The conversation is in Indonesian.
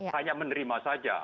hanya menerima saja